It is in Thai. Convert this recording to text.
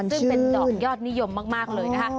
ซึ่งเป็นดอกยอดนิยมมากเลยนะคะ